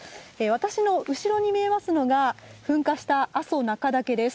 私の後ろに見えますのが、噴火した阿蘇中岳です。